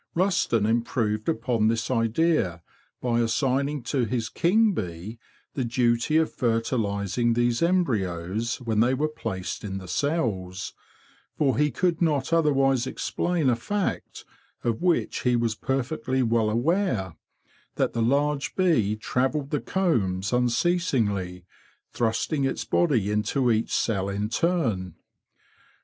Rusden improved upon this idea by assigning to his king bee the duty of fertilising these embryos when they were placed in the cells, for he could not otherwise explain a fact of which he was perfectly well aware—that the large bee travelled the combs unceasingly, thrusting its body into each cell in turn.